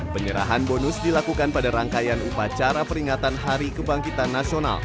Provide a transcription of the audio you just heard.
penyerahan bonus dilakukan pada rangkaian upacara peringatan hari kebangkitan nasional